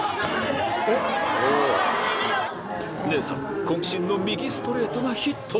姉さん渾身の右ストレートがヒット！